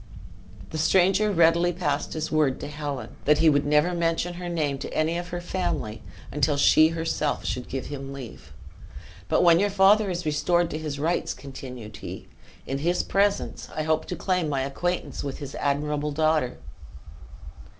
The stranger readily passed his word to Helen that he would never mention her name to any of her family until she herself should give him leave. "But when your father is restored to his rights," continued he, "in his presence I hope to claim my acquaintance with his admirable daughter."